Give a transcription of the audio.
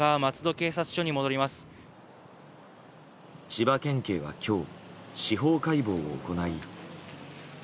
千葉県警は今日司法解剖を行い。